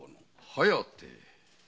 「疾風」？